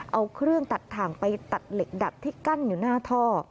เอาเครื่องตัดถ่างไปตัดเหล็กดัดที่กั้นอยู่หน้าท่อ